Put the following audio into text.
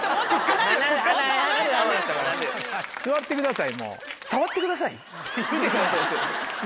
「座ってください」。